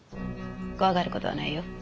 怖がる事はないよ。